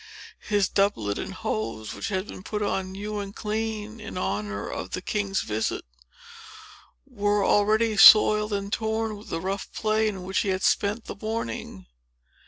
His doublet and hose (which had been put on new and clean in honor of the king's visit) were already soiled and torn with the rough play in which he had spent the morning.